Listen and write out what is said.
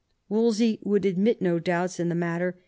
Wolsey would admit no doubts in the matter.